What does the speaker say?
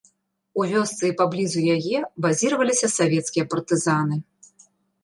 У вёсцы і паблізу яе базіраваліся савецкія партызаны.